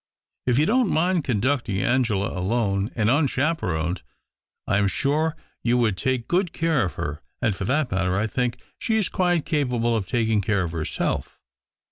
if you don't mind conducting Angela, alone md unchaperoned, I am sure you would take 3'ood care of her, and for that matter I think }he is quite capable of taking care of herself.